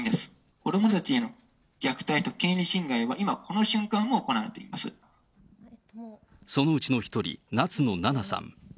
子どもたちへの虐待と権利侵害は、今、そのうちの一人、夏野ななさん。